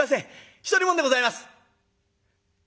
独り者でございます」。